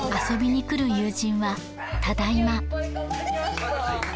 遊びに来る友人は「ただいま」